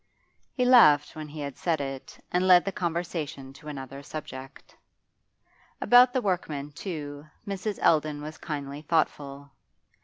He laughed when he had said it, and led the conversation to another subject. About the workmen, too, Mrs. Eldon was kindly thoughtful.